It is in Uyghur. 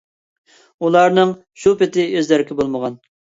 ئۇلارنىڭ شۇ پېتى ئىز-دېرىكى بولمىغان.